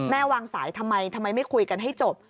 วางสายทำไมทำไมไม่คุยกันให้จบ